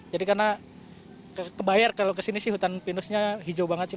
jadi karena kebayar kalau ke sini sih hutan pinusnya hijau banget sih